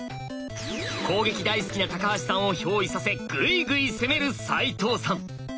攻撃大好きな橋さんをひょう依させグイグイ攻める齋藤さん。